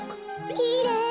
きれい！